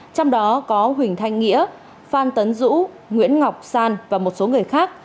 trong đó có huỳnh thanh nghĩa phan tấn dũ nguyễn ngọc san và một số người khác